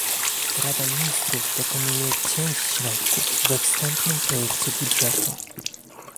Rada Ministrów dokonuje cięć środków we wstępnym projekcie budżetu